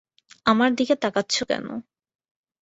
আমার দিকে তাকাচ্ছ কেন?